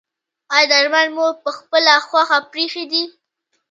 ایا درمل مو پخپله خوښه پریښي دي؟